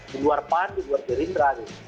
di luar pan di luar gerindra